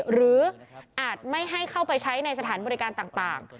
อาจไม่ให้เข้าไปใช้ในสถานบริการต่าง